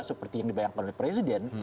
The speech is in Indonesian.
seperti yang dibayangkan oleh presiden